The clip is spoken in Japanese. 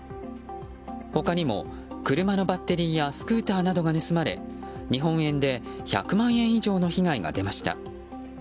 他にも、車のバッテリーやスクーターなどが盗まれ日本円で１００万円以上の被害が出ました。